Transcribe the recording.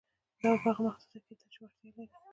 دا په هغه محدوده کې ده چې وړتیا لري.